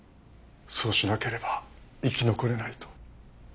そうしなければ生き残れないと。